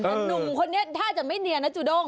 นุ่มคนนี้ถ้าจะไม่เนียนนะจุดง